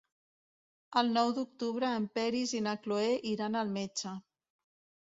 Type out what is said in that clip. El nou d'octubre en Peris i na Cloè iran al metge.